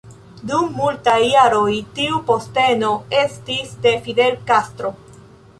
Dum multaj jaroj tiu posteno estis de Fidel Castro.